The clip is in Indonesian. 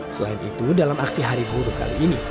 selain itu dalam aksi hari buruk kali ini